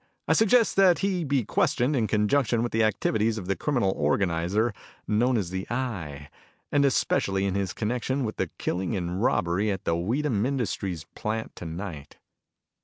I suggest that he be questioned in conjunction with the activities of the criminal organizer known as the Eye, and especially in his connection with the killing and robbery at the Weedham Industries plant tonight."